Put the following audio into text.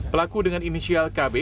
pelaku dengan inisial kb